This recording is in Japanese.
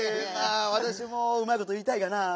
わたしもうまいこといいたいがなぁ。